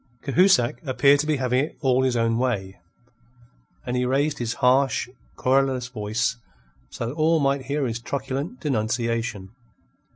Cahusac appeared to be having it all his own way, and he raised his harsh, querulous voice so that all might hear his truculent denunciation.